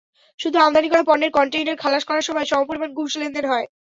শুধু আমদানি করা পণ্যের কনটেইনার খালাস করার সময় সমপরিমাণ ঘুষ লেনদেন হয়।